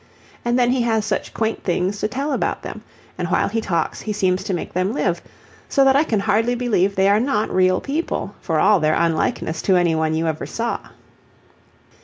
And then he has such quaint things to tell about them, and while he talks he seems to make them live, so that I can hardly believe they are not real people for all their unlikeness to any one you ever saw.